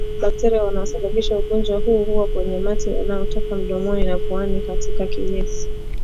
Bakteria wanaosababisha ugonjwa huu huwa kwenye mate yanayotoka mdomoni na puani na katika kinyesi